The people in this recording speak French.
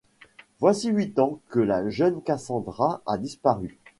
Voici huit ans que la jeune Cassandra a disparu.